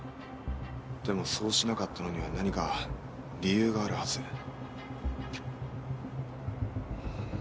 でもそうしなかったのには何か理由があるはず。